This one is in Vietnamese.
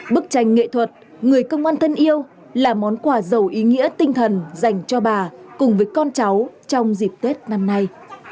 bức tranh nghệ thuật người công an thân yêu là món quà giàu ý nghĩa tinh thần dành cho bà cùng với con cháu trong dịp tết năm nay